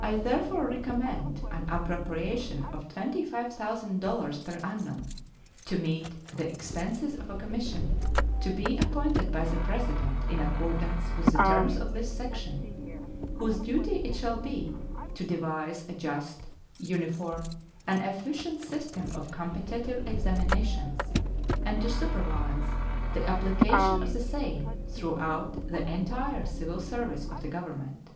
I therefore recommend an appropriation of $25,000 per annum to meet the expenses of a commission, to be appointed by the President in accordance with the terms of this section, whose duty it shall be to devise a just, uniform, and efficient system of competitive examinations and to supervise the application of the same throughout the entire civil service of the Government.